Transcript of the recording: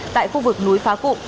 tại khu vực núi phá cụ